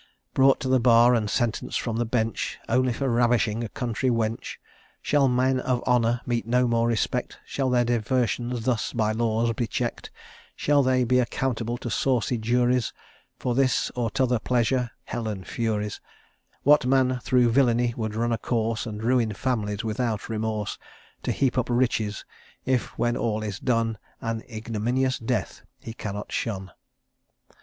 Brought to the bar, and sentenced from the bench, Only for ravishing a country wench? Shall men of honour meet no more respect? Shall their diversions thus by laws be check'd? Shall they be accountable to saucy juries For this or t'other pleasure? hell and furies! What man through villany would run a course, And ruin families without remorse, To heap up riches if, when all is done, An ignominious death he cannot shun?